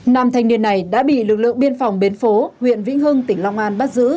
nam thanh niên này đã bị lực lượng biên phòng bến phố huyện vĩnh hưng tỉnh long an bắt giữ